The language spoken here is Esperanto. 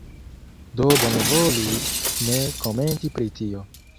do bonvolu ne komenti pri tio.